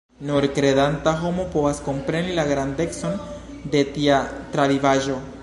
Nur kredanta homo povas kompreni la grandecon de tia travivaĵo.